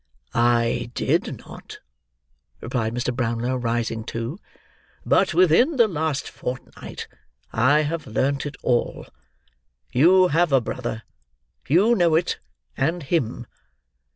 "I did not," replied Mr. Brownlow, rising too; "but within the last fortnight I have learnt it all. You have a brother; you know it, and him.